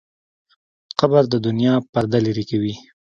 قبر د دنیا پرده لرې کوي.